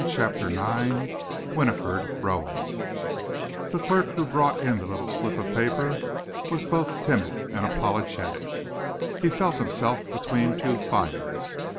CHAPTER IX WINIFRED ROWAN The clerk who brought in the little slip of paper was both timid and apologetic. He felt himself between two fires.